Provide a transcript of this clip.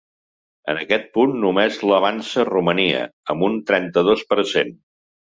En aquest punt només l’avança Romania, amb un trenta-dos per cent.